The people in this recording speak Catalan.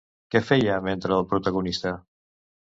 Què feia mentre el protagonista?